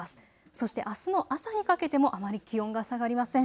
そしてあすの朝にかけてもあまり気温が下がりません。